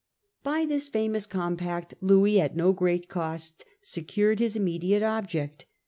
By this famous compact Louis, at no great cost, secured his immediate object.